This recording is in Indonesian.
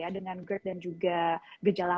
dengan gerd dan juga gejala